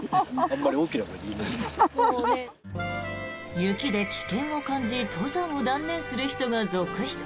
雪で危険を感じ登山を断念する人が続出。